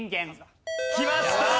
きました！